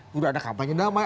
sudah ada kampanye damai